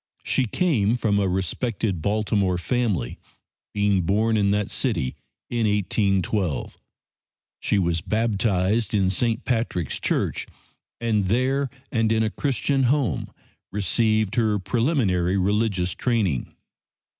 She came from a respected Baltimore family, being born in that city in 1812. She was baptized in St. Patrick's Church, and there and in a Christian home received her preliminary religious training.